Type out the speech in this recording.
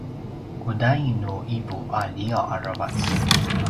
kudain nu ’ivu a liaw aravac?